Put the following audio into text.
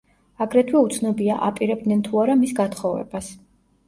აგრეთვე უცნობია აპირებდნენ თუ არა მის გათხოვებას.